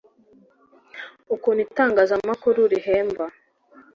ukuntu itangazamakuru rihemba